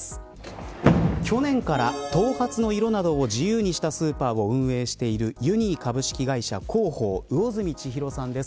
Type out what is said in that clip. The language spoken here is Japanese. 去年から、頭髪の色などを自由にしたスーパーを運営しているユニー株式会社広報魚住千尋さんです。